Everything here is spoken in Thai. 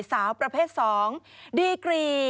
สาวประเภท๒ดีกรี